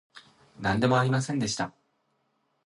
なんでもありませんでした